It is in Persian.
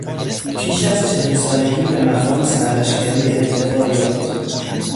پیش از چهل سالگی به مقام سرلشکری ارتقا یافت.